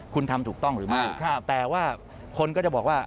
คุณทำถูกต้องหรือไม่แต่ว่าคนก็จะบอกว่า